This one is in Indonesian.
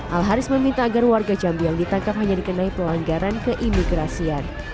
al haris meminta agar warga jambi yang ditangkap hanya dikenai pelanggaran keimigrasian